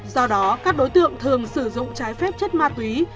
do đó các đối tượng thường sử dụng trái phép chất ma túy